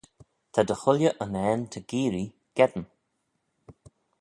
Ta dy chooilley unnane ta geearree geddyn.